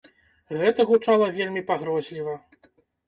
Гэта гучала вельмі пагрозліва.